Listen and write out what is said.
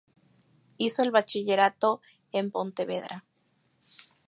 Hizo el Bachillerato en Pontevedra.